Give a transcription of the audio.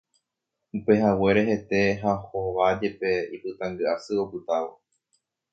Upehaguére hete ha hóva jepe ipytãngy asy opytávo.